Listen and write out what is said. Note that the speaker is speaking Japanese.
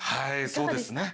そうですね。